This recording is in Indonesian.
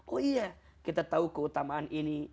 oh iya kita tahu keutamaan ini